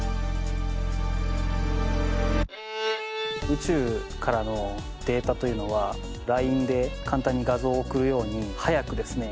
宇宙からのデータというのはＬＩＮＥで簡単に画像を送るように早くですね